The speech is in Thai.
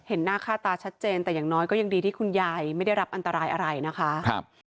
หน้าค่าตาชัดเจนแต่อย่างน้อยก็ยังดีที่คุณยายไม่ได้รับอันตรายอะไรนะคะครับ